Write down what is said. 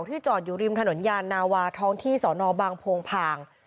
จอดอยู่ริมถนนยานนาวาท้องที่สอนอบางโพงพาง